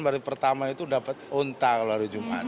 baru pertama itu dapat untang kalau hari jumat